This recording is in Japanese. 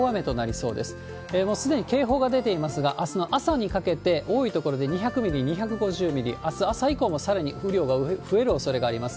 もうすでに警報が出ていますが、あすの朝にかけて、多い所で２００ミリ、２５０ミリ、あす朝以降もさらに雨量が増えるおそれがあります。